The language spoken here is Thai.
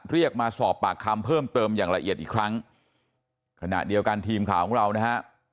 เรียกมาสอบปากคำเพิ่มเติมอย่างละเอียดอีกครั้งขณะเดียวกันทีมข่าวของเรานะฮะ